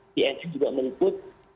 tnc juga menikut